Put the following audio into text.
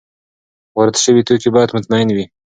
وارد شوي توکي باید مطمین وي.